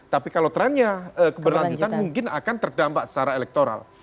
tapi kalau trennya keberlanjutan mungkin akan terdampak secara elektoral